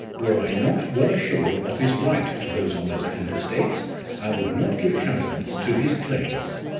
"Were I not well assured of his right to those honours and estates, I would not give countenance to his claim.